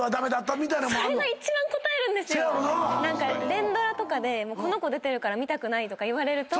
連ドラとかでこの子出てるから見たくないとか言われると。